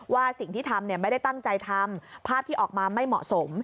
ว่าสิ่งที่ทำไม่ได้ตั้งใจทำภาพที่ออกมาไม่เหมาะสม